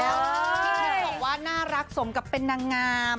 เค้นบอกว่าน่ารักสมกับเป็นนางงาม